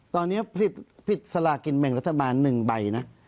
ตอนนี้ผิดสลากินแบ่งรัฐบาล๑ใบนะ